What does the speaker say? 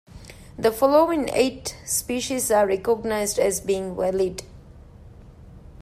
The following eight species are recognized as being valid.